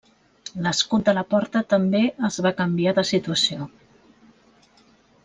L'escut de la porta també es va canviar de situació.